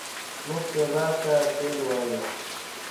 موږ سېلاب ته سېل وايو.